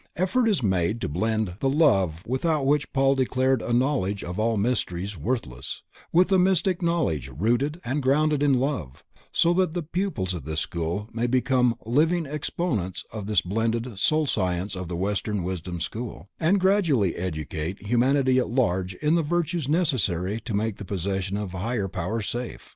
Effort is made to blend the love without which Paul declared a knowledge of all mysteries worthless, with a mystic knowledge rooted and grounded in love, so that the pupils of this school may become living exponents of this blended soul science of the Western Wisdom School, and gradually educate humanity at large in the virtues necessary to make the possession of higher powers safe.